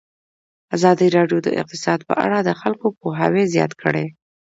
ازادي راډیو د اقتصاد په اړه د خلکو پوهاوی زیات کړی.